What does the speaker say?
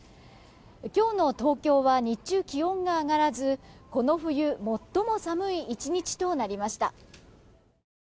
今日の東京は日中気温が上がらずこの冬、最も寒い１日となりました。